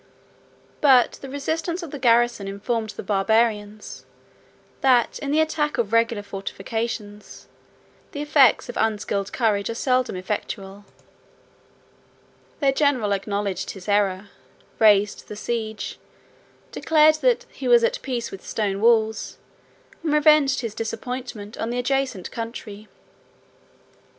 But the resistance of the garrison informed the Barbarians, that in the attack of regular fortifications, the efforts of unskillful courage are seldom effectual. Their general acknowledged his error, raised the siege, declared that "he was at peace with stone walls," 75 and revenged his disappointment on the adjacent country.